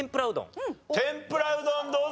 天ぷらうどんどうだ？